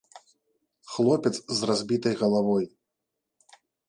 Хлопец з разбітай галавой.